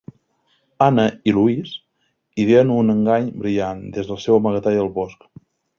Anna i Louis ideen un engany brillant des del seu amagatall al bosc.